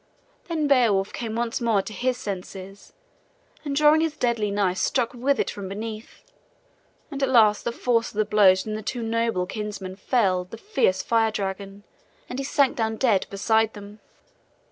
Then Beowulf came once more to his senses, and drawing his deadly knife, struck with it from beneath; and at last the force of the blows from the two noble kinsmen felled the fierce fire dragon and he sank down dead beside them.